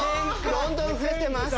どんどん増えてます！